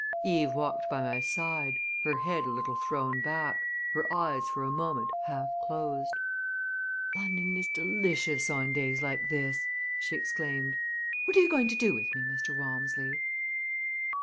Eve walked by my side, her head a little thrown back, her eyes for a moment half closed. "But London is delicious on days like this!" she exclaimed. "What are you going to do with me, Mr. Walmsley?"